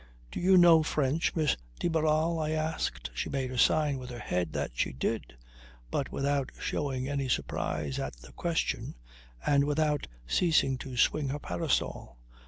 "Do you know French, Miss de Barral?" I asked. She made a sign with her head that she did, but without showing any surprise at the question and without ceasing to swing her parasol.